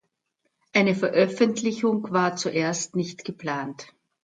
Eine Veröffentlichung war zuerst nicht geplant.